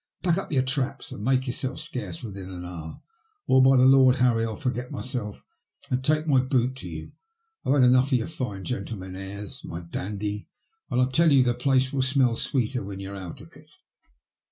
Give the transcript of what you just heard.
Pack up your traps and make yourself scarce within an hour, or, by the Lord Harry, I'll forget myself and take my boot to you. I've had enough of your fine gentleman airs, my dandy, and I tell you the place will smell sweeter when you're out of it."